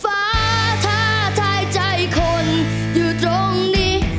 ฟ้าท้าทายใจคนอยู่ตรงนี้